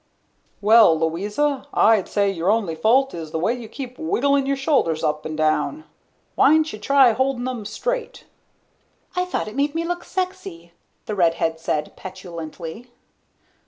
"Well, Louisa, I'd say your only fault is the way you keep wigglin' your shoulders up 'n' down. Why'n'sha try holdin' 'em straight?" "I thought it made me look sexy," the redhead said petulantly.